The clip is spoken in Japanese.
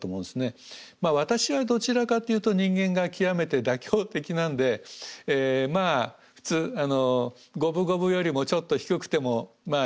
私はどちらかというと人間が極めて妥協的なんでまあ五分五分よりもちょっと低くてもまあいいかなと。